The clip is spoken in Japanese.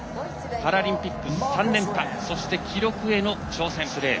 オリンピック３連覇そして、記録への挑戦。